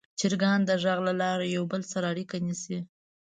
چرګان د غږ له لارې یو بل سره اړیکه نیسي.